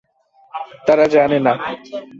তারা জানে না।